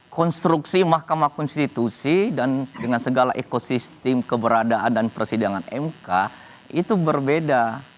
konstruksi mahkamah konstitusi dan dengan segala ekosistem keberadaan dan persidangan mk itu berbeda